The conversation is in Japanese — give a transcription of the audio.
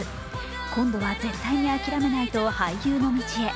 今度は絶対に諦めないと俳優の道へ。